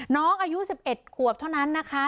น้องอายุสิบเอ็ดกวบเท่านั้นนะคะ